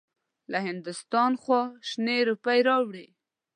له هندوستان لخوا شنې روپۍ راوړې.